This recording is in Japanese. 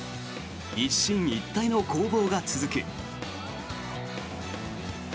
一進一退の攻防が続く。